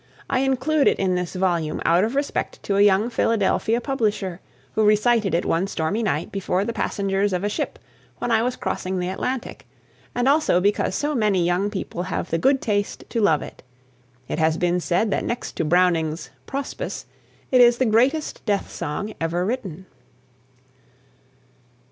I include it in this volume out of respect to a young Philadelphia publisher who recited it one stormy night before the passengers of a ship when I was crossing the Atlantic, and also because so many young people have the good taste to love it. It has been said that next to Browning's "Prospice" it is the greatest death song ever written.